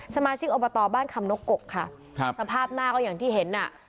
สมาชิกอบตบ้านคำนกกค่ะครับสภาพหน้าก็อย่างที่เห็นอ่ะ